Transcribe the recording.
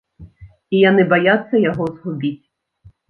І яны баяцца яго згубіць.